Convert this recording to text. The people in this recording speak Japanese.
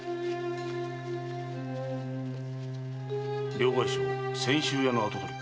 両替商・泉州屋の跡取り？